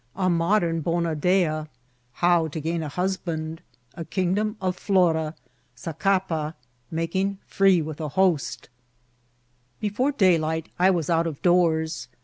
— A Modem Bona Dea.— How to gain a Husband.— A Kingidom of Flora.— Zacapa.— Making free with a Hoat Before daylight I was out of doors.